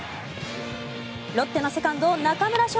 ロッテのセカンド中村奨